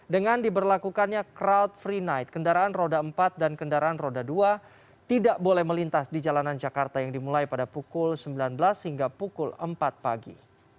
dengan diberlakukannya crowd free night kendaraan roda empat dan kendaraan roda dua tidak boleh melintas di jalanan jakarta yang dimulai pada pukul sembilan belas hingga pukul empat pagi